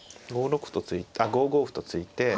５六歩とあっ５五歩と突いて。